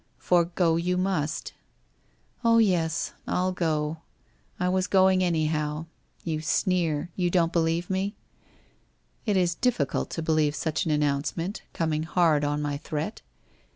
For go you must.' ' Oh, yes, 111 go. I was going anyhow. You sneer. You don't believe me? ' 1 It is difficult to believe such an announcement, coming hard on my threat.'